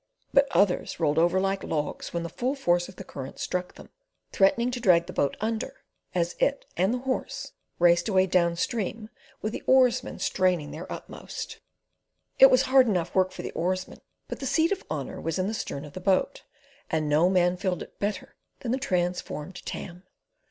But others rolled over like logs when the full force of the current struck them, threatening to drag the boat under, as it and the horse raced away down stream with the oarsmen straining their utmost. It was hard enough work for the oarsmen; but the seat of honour was in the stern of the boat, and no man filled it better than the transformed Tam.